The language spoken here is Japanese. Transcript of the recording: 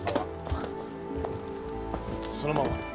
そのまま。